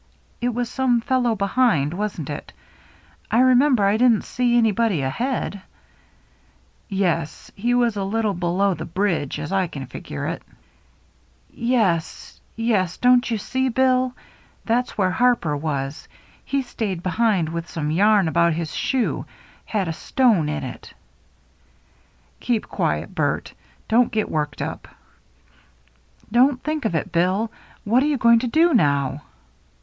It was some fellow behind, wasn't it ? I remember I didn't see anybody ahead." " Yes — he was a little below the bridge, as I figure it." " Yes — yes — don't you see. Bill ? That's where Harper was — he stayed behind with some yarn about his shoe — had a stone in it." 347 348 THE MERRT ANNE " Keep quiet, Bert ! don't get worked up "" But think of it. Bill ! What you going to do now